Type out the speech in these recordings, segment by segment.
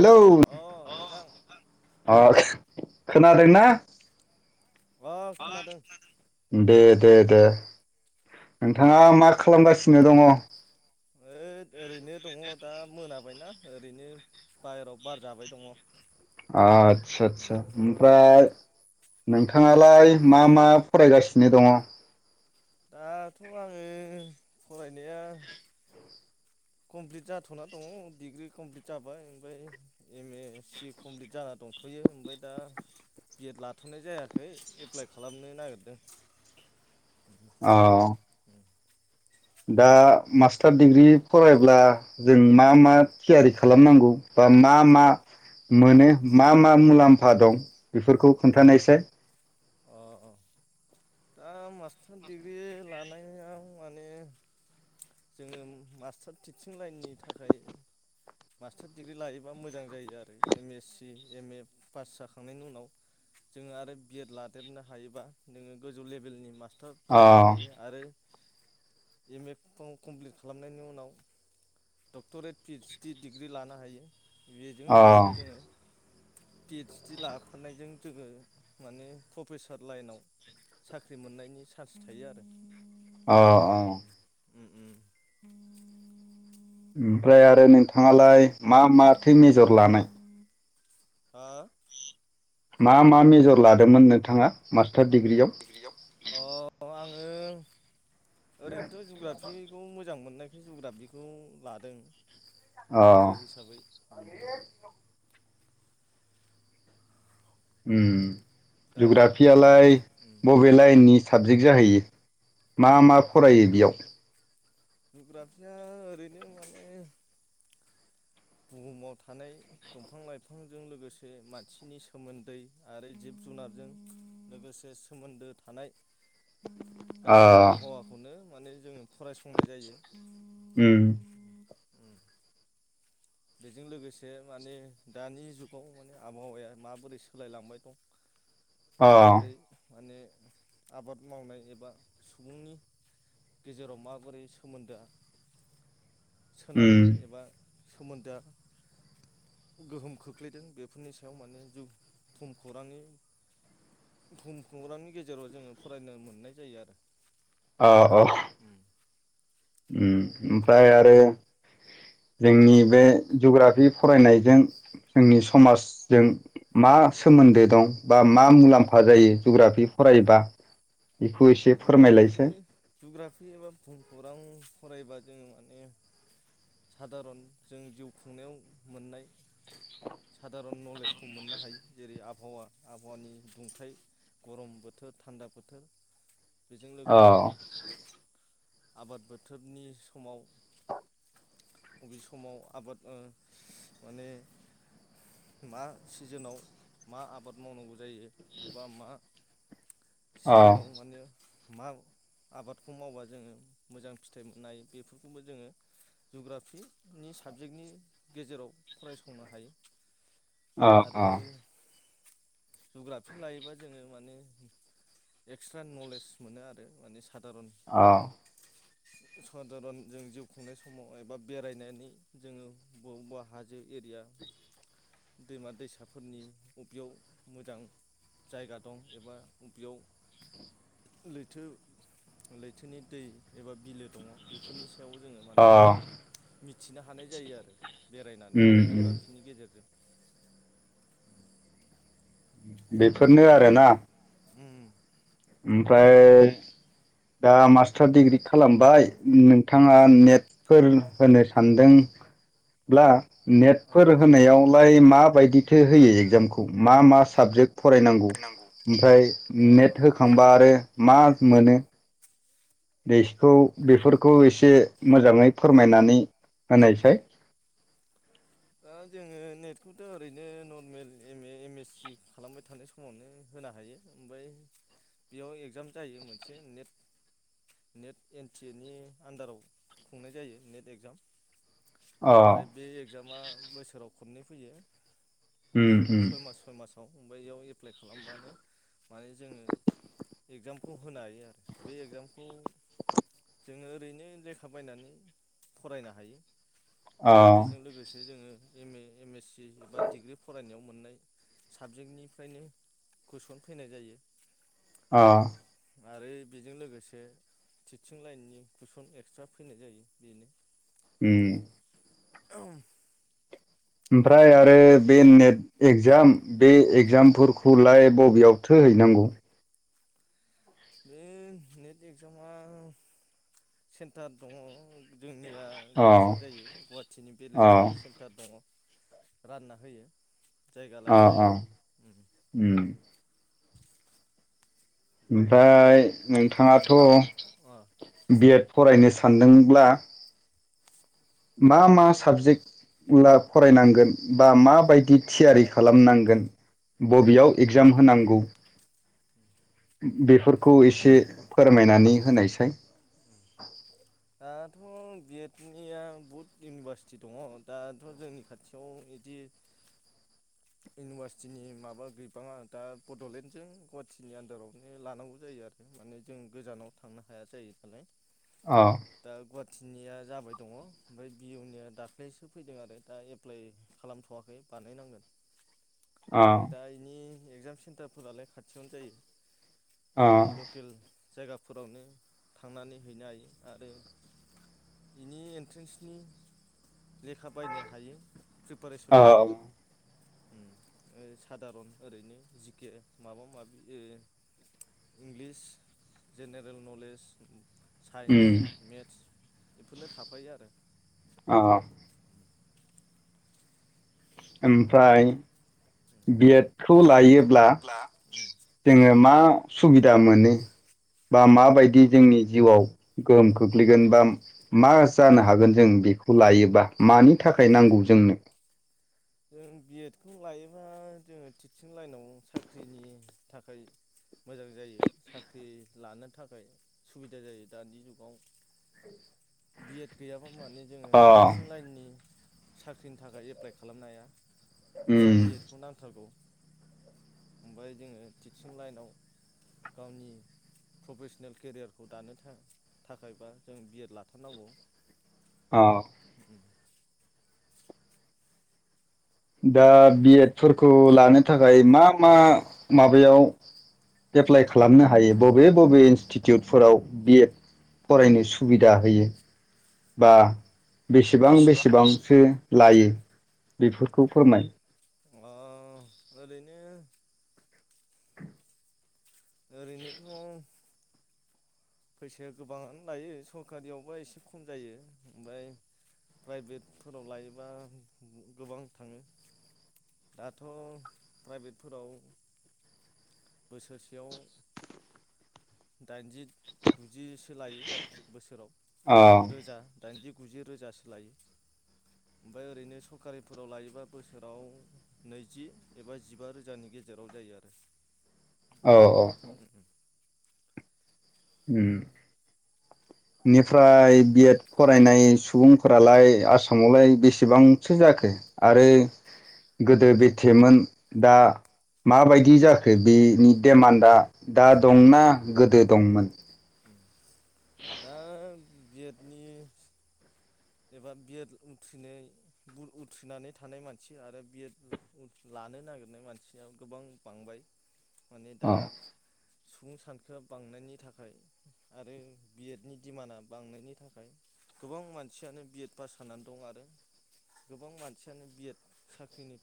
Hello अ नोंथां खोनादोंना? अ खोनादों [inaudible] दे दे दे नोंथाङा मा खालामगासि सिनो दङ हैद ओरैनो दङ दा मोनाबायना ओरैनो बायेरायाव बार जाबाय दङ आतसा आतसा ओमफ्राय नोंथाङालाय मा मा फरायगासिनो दङ? दाथ' आङो फरायनाया कमप्लिट जाथ'ना दङ डिग्रि कमप्लिट जाबाय ओमफ्राय एम ए सि कमप्लिट जाना दंथ'यो ओमफ्राय दा बिएड लाथ'नाय जायाखै एप्लाइ खालामनो नागिरदों अ दा मास्टार दिग्रि फरायब्ला जों मा मा थियारि खालामनांगौ बा मा मा मोनो मा मा मुलाम्फा दं बेफोरखौ खोन्थानायसाय अ अ दा मास्टार डिग्रि लानाया माने जोंडो मास्टार थिंसिं लायननि थाखाय मास्टार डिग्रि लानायोबा मोजां जायो आरो M A C M A फास जाखांनायनि उनाव जोङो आरो बि इद लादेरनो हायोब्ला नोंङो गोजौ लेबेलनि मास्टार अ जाहैनो हायो आरो एम ए ख-खमप्लिथ खालामनायनि उनाव दकथरेद पि एइस दि दिग्रि लानो हायो बेजों अ लोगोसे जोङो पि एदस डि लाफानायजों जोङो माने प्रफेसर लाइनाव साख्रि मोननायनि चान्स थायो आरो अ औ उम उम ओमफ्राय आरो नोंथाङालाय मा माथो मेजर लानाय? हा मा मा मेजर लादोंमोन नोंथाङा मा थार दिग्रियाव? ओं ओरैनोथ' जुग्राफिखौ मोजां मोननाय जुग्राफिखौ लादों। अ मेजर हिसाबै। उम। दा जुग्राफियालाय उम उम बबे लाइननि? साबजेक्ट जाहैयो मा मा फरायो बेयाव? जुग्राफिया ओरैनो माने बुहुमाव थानाय दंफां लाइफांजों लोगोसे मानसिनि सोमोन्दै आरो जिब जुनारजों लोगोसे सोमोन्दो थानाय अ गासै आबहावाखौनो माने जोङो फरायसंनाय जायो। उम। उम बेजों लोगोसे माने दानि जुगाव माने आबहावाया माबोरै सोलायलांबाय दं अ माबोरै माने आबाद मावनाय एबा सुबुंनि गेजेराव माबोरै सोमोन्दोआ सोनारो उम एबा सोमोन्दोआ गोहोम खोख्लैदों बेफोरनि सायाव माने जुफ भुम खौरांनि भुम खौरांनि गेजेराव जोङो फरायनो मोननाय जायो आरो। अ अ। ओम ओमफ्राय आरो जोंनि बे जुग्राफि फरायनायजों जोंनि समाजजों मा सोमोन्दो दं बा ओ मा मुलाम्फा जायो जुग्राफि फरायोबा बेखौ एसे जुग्राफि फोरमायलायसाय। जुग्राफि एबा भुम खौरां फरायबा जोङो माने सादारन जों जिउ खुंनायाव मोननाय सादारन नलेजखौ मोननो हायो। जेरै आबहावा आबहावानि दुंथाइ गरम बोथोर, थान्दा बोथोर बेजों अ लोगोसे आबाद बोथोरनि समाव बबे समाव आबाद ओ माने मा सिजोनाव मा आबाद मावनांगौ जायो एबा मा अ सिजोनाव माने मा आबादखौ मावबा जोङो मोजां फिथाइ मोननो हायो। बेफोरखौबो जोङो जुग्राफिनि साबजेक्टनि गेजेराव फरायसंनो हायो। अ आरो अ। जुग्राफि लायोबा जोङो माने एक्सट्रा नलेज मोनो आरो माने स सादारन अ सधारन जों जिउ खुंनाय समाव एबा बेरायनायनि जोङो बबावबा हाजो एरिया दैमा दैसाफोरनि बबेयाव मोजां जायगा दं एबा बबेयाव लैथो लैथोनि दै एबा बिलो दङ' बेफोरनि सा अ। मिथिनो हानाय जायो आरो। बेरायनानै उम उम जुग्राफिनि गेजेरजों। बेफोरनो आरोना? उम ओमफ्राय दा मास्टार डिग्रि खालामबाय नोंथांङा नेटफोर होनो सानदोंब्ला अ नेटफोर होनायाव फाय माबायदिथो होयो एग्जामखौ मा मा साबजेक्ट फरायनांगौ ओमफ्राय अ नेट थामबा आरो मा मोनो बेसखौ बेफोर खौ एसे मोजांङै फोरमायनानै होनायसाय दा जोंङो नेटखौथ' ओरैनो normal M A M S C खालामबाय थानाय समावनो होनो हायो। ओमफाय बेयाव एगजाम जायो मोनसे net net N T A नि आन्दाराव खुंनाय जायो नेट एग्जाम। अ बाय बे एगजामा बोसोराव खननै फैयो। उम उम याव ओमबाय बेयाव एप्लाइ खालामबानो माने जोंङो इगजामखौ होनो हायो आरो। बे एग्जामखौ जोंङो ओरैनो लेखा बायनानै फरायनो हायो। अ ओमफ्राय बेजों लोगोसे जोंङो एम ए एम एस दि एबा डिग्रि फरायनायाव मोननाय साबजेक्टनिफ्रायनो कुइसन फैनाय जायो। अ आरो बेजों लोगोसे टिटचिं लाइननि कटुइसन एक्सट्रा फैनाय जायो बेनो उम ओमफ्राय [unintelligible] ओमफ्राय बे आरो बे नेट एग्जाम बे एग्जाम फोरख हुलाय बबेयाव थोहैनांगौ? बे नेट एक्जामा सेन्टार दंङ। जोंनिया अ गुवाहाटियाव जायो गुवाहाटिनि बेलेग अ बेलेग सेन्टार दंङ। रानना होयो। जायगा अ लायै अ जायगा उम ओमफ्राय अ नोंथाङाथ' बिएद फरायनो सा सानदोंब्ला मा मा साबजेक्ट उला फरायनांगोन बा माबायदि थियारि खालामनांगोन बबेयाव एग्जाम होनांगौ बेफोरखौ एसे फोरमायनानै होनायसाय दाथ' बिटनिया बहुद इउनिभारसिटि दंङ दाथ' जोंनि खाथियाव ब इदि इउनिभारसिटिनि माबा गैबाङा दा बड'लेण्डजों गुवाहाटिीनि आन्दारावनो लानांगौ जायो आरो माने जों गोजानाव थांनो हाया जायो नालाय। अ दा गुवाहाटि। स्निया जाबाय दङ ओमफ्राय बि बि इउ निया दाख्लैसो फैदों आरो दा एप्लाइ खालामथ'वाखै बानायनांगोन। अ ओमफ्राय दा इनि। एगजाम सेन्टारफोरालाय खाथियावनो जायो। अ जोंनि लकेल। जायगाफोरावनो थांनानै हैनो हायो आरो बेनि एन्ट्रेन्सनि लेखा बायनो हायो। औ प्रिपारेसननि थाखाय। सादारन ओरैनो जिके माबा माबि English general knowledge. Science um maths. बेफोरनो थाफायो आरो। औ। ओमफ्राय बिएड खौ लायो। उम जोङो। मा सुबिदा मोनो बा माबायदि जोंनि जिउआव गोहोम खोख्लैगोन बा मा जानो हागोन जों बेखौ लायोबा। मानि थाखाय नांगौ जोंनो। जों बिएड खौ लायोबा जोङो टिचं लाइनाव साख्रिनि थाखाय मोजां जायो साख्रि लानो थाखाय सुबिदा जायो दानि जुगाव बिएड गैयाब्ला। नानै जोङो अ टिस्चिं लाइननि। साख्रिनि थाखाय एप्लाइ खालाम। खालामनो हाया। उम बि एड खौ नांथारगौ। ओमफ्राय जोङो टिचं लाइनाव गावनि प्रफेसनेल केरियारखौ दानो थाखायबा जों बिएड लाथारनांगौ। औ। दा बिएड फोरफोरखौ लानो थाखाय मा मा माबायाव एप्लाइ खालामनो हायो बबे बबे इन्स्टिटिउटफोराव बिएड फरायनो सुबिदा होयो। बा। बेसेबां बेसेबांसो लायो बेफोरखौ फोरमाय अ ओरैनो। ओरैनोथ' [inaudible] फैसाया गोबाङानो लायो सरखारियावबो एसे खम जायो ओमफ्राय प्राइभेटफोराव लायोबा गोबां थाङो दाथ' प्राइभेटफोराव। बोसोरसेयाव। दाइनजि गुजि। लायो अ बोसोराव रोजा दाइनजि। गुजि रोजासो लायो ओमफ्राय ओरैनो सरकारिफोराव लायोबा बोसोराव नैजि एबा जिबा रोजानि गेजेराव जायो आरो। औ औ। ओम बेनिफ्राय बिएड फरायनाय सुबुंफोरालाय आसामावलाय बेसेबांसो जाखो आरो गोदो बेथेमोन दा माबायदि जाखो बिनि डेमान्डआ दा दंना गोदो दंमोन। दा बिएड नि एबा बिएदथ्रिनाय उथ्रिनानै थानाय मानसि आरो बिएड लानो नागिरनाय मानसिया गोबां बांबाय। मानि अ दा सुबुं सानखोआ बांनायनि थाखाय आरो। बिएड नि दिडिमान्डआ बांनायनि थाखाय गोबां मानसियानो बि एड पास जानानै दं आरो गोबां मानसियानो बिएड साख्रिनि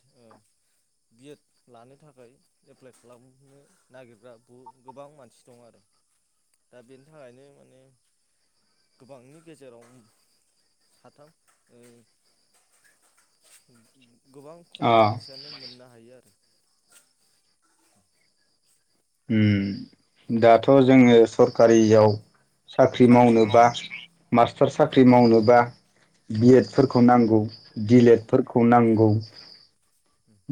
बि एड लानो थाखाय एप्लाइ खालामनो नागिरग्रा बहु गोबां मानसि दं आरो दा बेनि थाखायनो माने। गोबांनि गेजेराव साथाम ओ गोबां अ खम मानसियानो मोननो हायो आरो ओम दाथ जोङो सरखारियाव साख्रि मावनोबा मास्टार अ साख्रि मावनोबा अ बिएडफोरखौ नांगौ दि लेड उम फोरखौ नांगौ।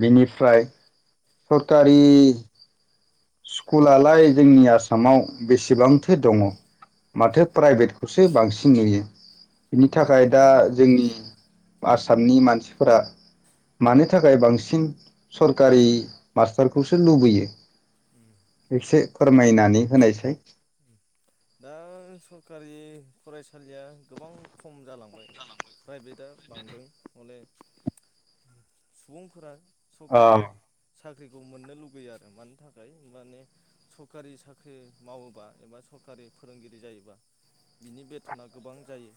बिनिफ्राय सरकारि स्कुलालाय जोंनि आसामाव बेसेबांथो दङ माथो प्राइभेटखौसो बांसिन नुयो बिनि थाखाय दा अ जोंनि आसामनि मानसिफोरा मानो थाखाय बांसिन सरखारि मास्टारखौसो लुबैयो एसे फोरमायनानै होनायसाय दा सरखारि फरायसालिया गोबां खम जालांबाय प्राइभेटआ बांदों हले सुबुंफोरा अ सकारारि साख्रिखौ मोननो लुगैयो आरो मानि थाखाय माने सरखारि साख्रि मावोबा एबा सरकारि। फोरोंगिरि जायोबा बिनि बेथना गोबां जायो।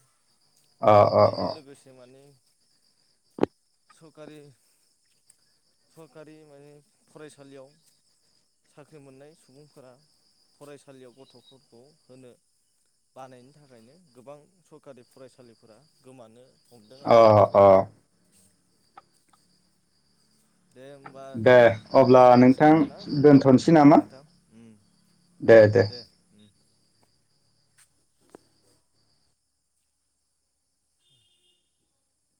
आरो अ बेजों लोगोसे माने। सरकारि सरकारि माने फरायसालियाव साख्रि मोननाय सुबुंफोरा फरायसालियाव गथफोरखौ होनो बानायनि थाखायनो गोबां सरखारि फरायसालिफोरा गोमानो हमदों अ आरो अ औ दे होमबा दे अब्ला दोनथ'नोसै नोंथां खोमा ना दोनथ नोसै नामा नोंथां उम दे दे